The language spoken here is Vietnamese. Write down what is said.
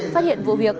phát hiện vụ việc